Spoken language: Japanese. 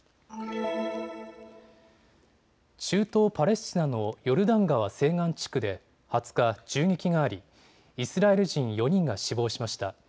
中東パレスチナのヨルダン川西岸地区で２０日、銃撃がありイスラエル人４人が死亡しました。